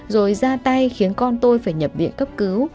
rồi ra tay khiến con tôi phải nhập viện cấp cứu